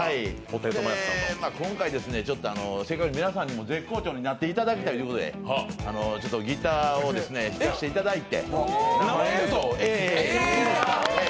今回、皆さんにも絶好調になっていただきたいということでちょっとギターをさせていただいて。